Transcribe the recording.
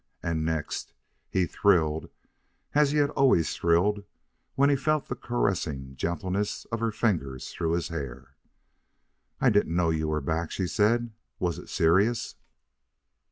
And next, he thrilled, as he had always thrilled, when he felt the caressing gentleness of her fingers through his hair. "I didn't know you were back," she said. "Was it serious?"